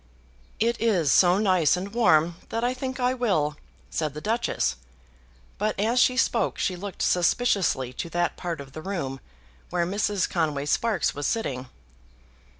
"It is so nice and warm, that I think I will," said the Duchess; but as she spoke she looked suspiciously to that part of the room where Mrs. Conway Sparkes was sitting.